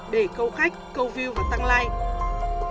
để câu khách câu view và tăng like